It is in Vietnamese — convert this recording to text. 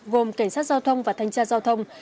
gồm cảnh sát giao thông và thanh tra giao thông